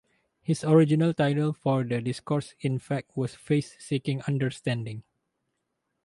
His original title for the discourse, in fact, was "Faith Seeking Understanding".